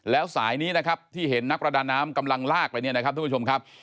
แล้วสายนี้นะครับที่เห็นนักประดาน้ำกำลังลากไปเนี่ยนะครับทุกผู้ชมครับ